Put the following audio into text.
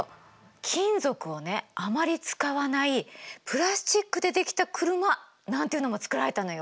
金属をねあまり使わないプラスチックで出来た車なんていうのも作られたのよ。